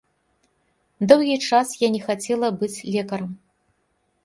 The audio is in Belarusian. Доўгі час я не хацела быць лекарам.